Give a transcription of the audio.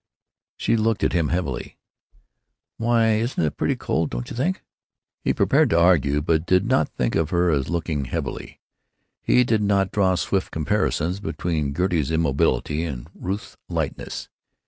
She looked at him heavily. "Why, isn't it pretty cold, don't you think?" He prepared to argue, but he did not think of her as looking heavily. He did not draw swift comparisons between Gertie's immobility and Ruth's lightness.